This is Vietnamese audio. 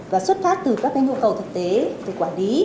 và xuất phát từ các nhu cầu thực tế từ quản lý